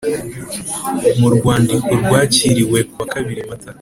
mu rwandiko rwakiriwe kuwa kabiri Mata